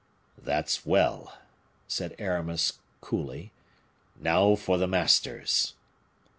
"That's well!" said Aramis, coolly, "now for the masters!"